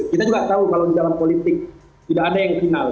kita juga tahu kalau di dalam politik tidak ada yang final